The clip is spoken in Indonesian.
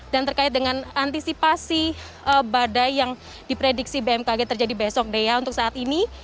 dan terkait dengan antisipasi badai yang diprediksi bmkg terjadi besok dea untuk saat ini